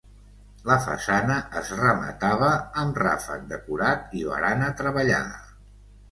La façana es rematava amb ràfec decorat i barana treballada.